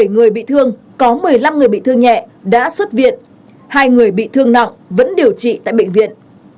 bảy người bị thương có một mươi năm người bị thương nhẹ đã xuất viện hai người bị thương nặng vẫn điều trị tại bệnh viện